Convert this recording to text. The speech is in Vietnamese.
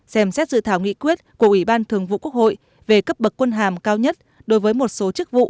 xem xét dự thảo nghị quyết của ủy ban thường vụ quốc hội về cấp bậc quân hàm cao nhất đối với một số chức vụ